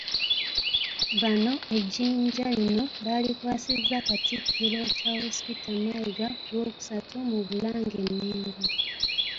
Bano ejjinja lino balikwasizza Katikkiro Charles Peter Mayiga ku Lwokusatu mu Bulange e Mmengo